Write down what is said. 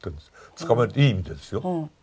捕まえるっていい意味でですよ。